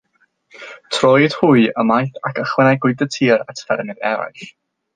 Trowyd hwy ymaith ac ychwanegwyd y tir at ffermydd eraill.